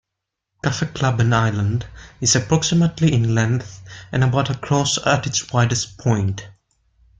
Kaffeklubben Island is approximately in length, and about across at its widest point.